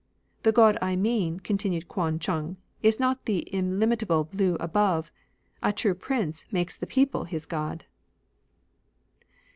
The God I mean, continued Kuan Chung, is not the illimitable blue above. A true prince makes the people his God."